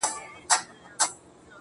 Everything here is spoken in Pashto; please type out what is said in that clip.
دا غمى اوس له بــازاره دى لوېـدلى.